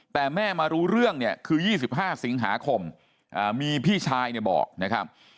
แต่แม่มารู้เรื่องเนี่ยคือ๒๕สิงหาคมมีพี่ชายเนี่ยบอกนะครับ